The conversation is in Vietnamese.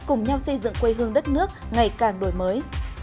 cùng nhau xây dựng quê hương đất nước ngày càng đổi mới